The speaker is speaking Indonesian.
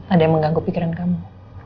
ada yang mengganggu pikiran kamu